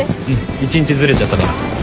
１日ずれちゃったから。